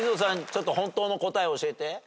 ちょっと本当の答え教えて。